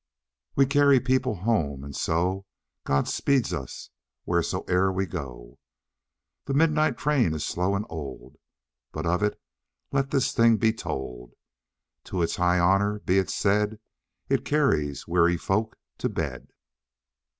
We carry people home and so God speeds us, wheresoe'er we go. The midnight train is slow and old, But of it let this thing be told, To its high honour be it said, It carries weary folk to bed.